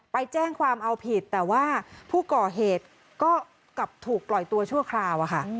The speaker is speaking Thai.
ไปแจ้งความเอาผิดแต่ว่าผู้ก่อเหตุก็กลับถูกปล่อยตัวชั่วคราวอะค่ะ